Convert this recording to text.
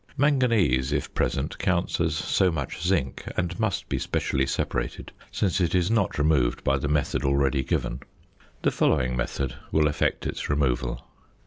Manganese, if present, counts as so much zinc, and must be specially separated, since it is not removed by the method already given. The following method will effect its removal.